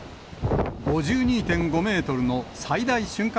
５２．５メートルの最大瞬間